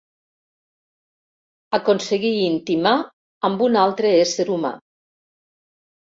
Aconseguir intimar amb un altre ésser humà.